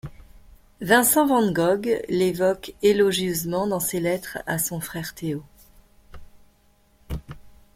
Vincent van Gogh l’évoque élogieusement dans ses lettres à son frère Théo.